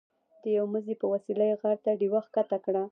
د یوه مزي په وسیله یې غار ته ډیوه ښکته کړه.